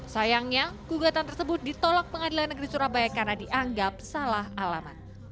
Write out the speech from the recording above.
sayangnya gugatan tersebut ditolak pengadilan negeri surabaya karena dianggap salah alamat